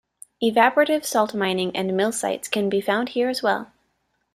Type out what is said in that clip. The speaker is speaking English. Evaporative salt mining and mill sites can be found here as well.